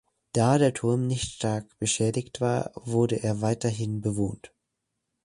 Da der Turm nicht stark beschädigt war, wurde er weiterhin bewohnt.